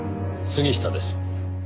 杉下です。